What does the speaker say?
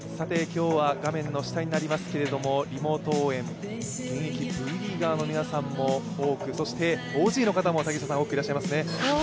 今日は画面の下になりますけど、リモート応援、現役Ｖリーガーの皆さんも多く、そしてＯＧの方も多くいらっしゃいますね。